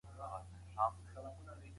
پر ټولنیزو واقعیتونو ښه پوهیدل ضروري دي.